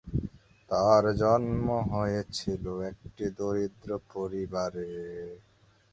তার জন্ম হয়েছিল একটি দরিদ্র পরিবারে।